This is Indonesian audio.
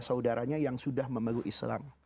saudaranya yang sudah memeluk islam